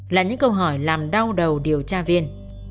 là những câu hỏi làm đau đầu điều tra viên